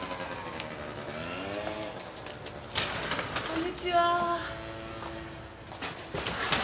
こんにちは。